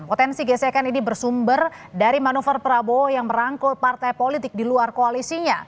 potensi gesekan ini bersumber dari manuver prabowo yang merangkul partai politik di luar koalisinya